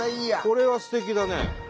これはすてきだね。